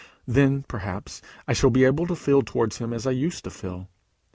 Then, perhaps, I shall be able to feel towards him as I used to feel.